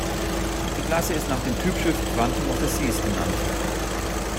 Die Klasse ist nach dem Typschiff "Quantum of the Seas" benannt.